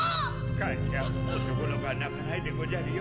カンちゃん男の子は泣かないでごじゃるよ。